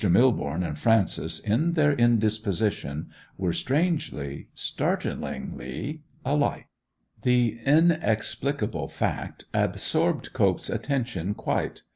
Millborne and Frances in their indisposition were strangely, startlingly alike. The inexplicable fact absorbed Cope's attention quite.